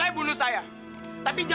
ntar dari segi ini